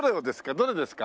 どれですか？